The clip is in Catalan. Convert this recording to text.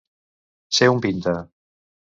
Ser un pinta.